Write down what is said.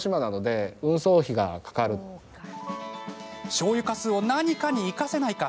しょうゆかすを何かに生かせないか。